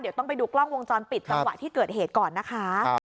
เดี๋ยวต้องไปดูกล้องวงจรปิดจังหวะที่เกิดเหตุก่อนนะคะ